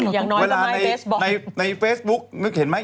อย่างน้อยก็ไม่เฟสบุ๊คเวลาในเฟสบุ๊คเห็นไหม